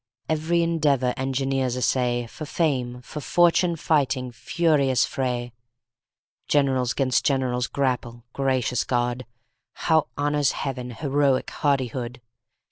Every endeavor engineers essay, For fame, for fortune fighting furious fray! Generals 'gainst generals grapple gracious God! How honors Heaven heroic hardihood!